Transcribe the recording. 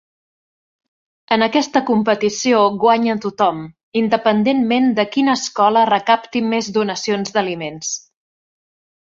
En aquesta competició guanya tothom, independentment de quina escola recapti més donacions d'aliments.